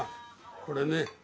これね。